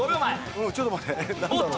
うんちょっと待って。